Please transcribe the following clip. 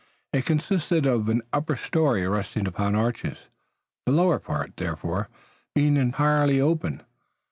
It consisted of an upper story resting upon arches, the lower part, therefore, being entirely open.